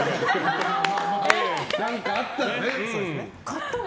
何かあったらね。